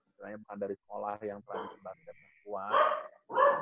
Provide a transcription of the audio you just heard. misalnya bukan dari sekolah yang pernah dikembangkan ke sekolah